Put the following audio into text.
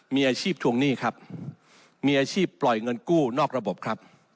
มีอาชีพทวงหนี้ครับมีอาชีพปล่อยเงินกู้นอกระบบครับ